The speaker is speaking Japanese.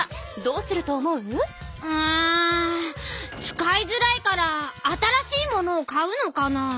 使いづらいから新しい物を買うのかな？